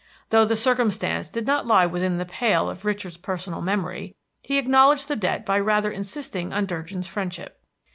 Though the circumstance did not lie within the pale of Richard's personal memory, he acknowledged the debt by rather insisting on Durgin's friendship.